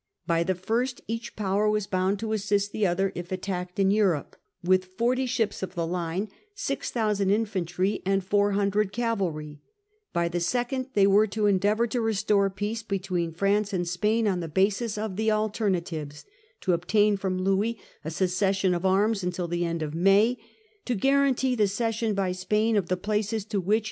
By the first each power was The alliance bound to assist the other, if attacked in Europe, and th! and w ith forty ships of the line, 6,000 infantry, January^ an< * 4 °° cavalr y* By the second they were to 1668. * endeavour to restore peace between France and Spain on the basis of the 'alternatives,' to obtain from Louis a cessation of arms until the end of May, to guarantee the cession by Spain of the places to which he 1668.